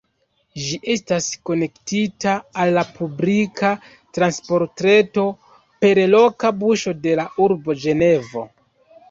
Ĝi estas konektita al la publika transportreto per loka buso de la urbo Ĝenevo.